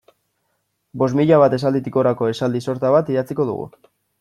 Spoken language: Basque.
Bost mila bat esalditik gorako esaldi sorta bat idatziko dugu.